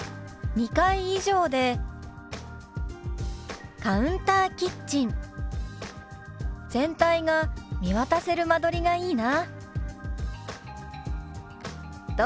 「２階以上でカウンターキッチン全体が見渡せる間取りがいいな」。